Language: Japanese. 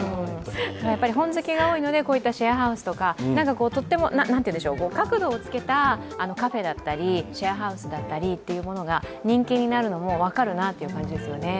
本好きが多いので、こういったシェアハウスとか、角度を付けたカフェだったりシェアハウスだったり人気になるのも分かるなという感じですよね。